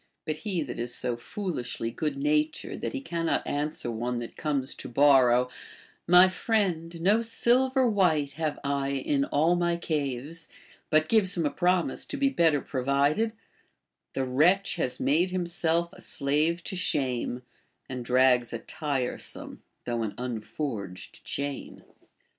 f But he that is so foolishly good natured that he cannot an swer one that comes to borrow, — My friend, no silver white liave I in all my caves, — but gives him a promise to be better provided, — The wretch has made himself a slave to sliame, And drags a tiresome, though an unforged chain.!